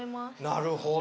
なるほど。